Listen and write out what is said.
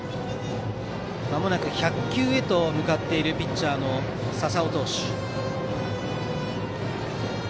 まもなく１００球へ向かうピッチャーの笹尾投手。